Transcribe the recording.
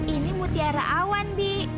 ini mutiara awan bi